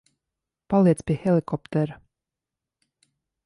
Paliec pie helikoptera.